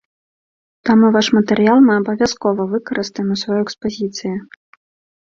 Таму ваш матэрыял мы абавязкова выкарыстаем у сваёй экспазіцыі.